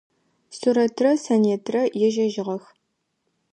Сурэтрэ Санетрэ ежьэжьыгъэх.